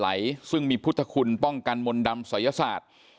ซึ่งมีพุทธคุณป้องกันมนต์ดำศัยศาสตร์